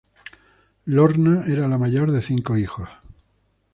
Lorna era la mayor de cinco hijos.